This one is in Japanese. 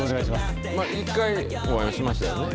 １回、お会いしましたよね。